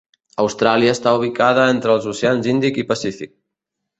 Austràlia està ubicada entre els oceans Índic i Pacífic.